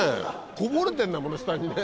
こぼれてんだもんね？